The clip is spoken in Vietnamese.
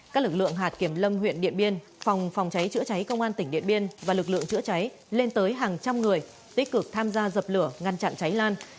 các lực lượng hạt kiểm lâm huyện điện biên phòng phòng cháy chữa cháy công an tỉnh điện biên và lực lượng chữa cháy lên tới hàng trăm người tích cực tham gia dập lửa ngăn chặn cháy lan